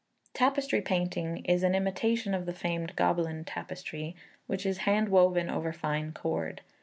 Tapestry painting is an imitation of the famed Gobelin tapestry, which is hand woven over fine cord.